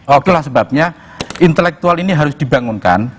okelah sebabnya intelektual ini harus dibangunkan